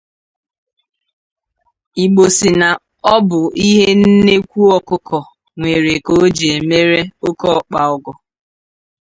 Igbo sị na ọ bụ ihe nnekwu ọkụkọ nwere ka o ji emere okeọkpa ọgọ